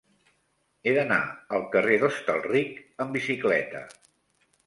He d'anar al carrer d'Hostalric amb bicicleta.